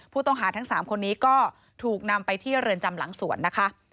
ผู้ต้องหาทั้ง๓คนนี้ก็ถูกนำไปที่เรือนจำหลังสวนนะคะ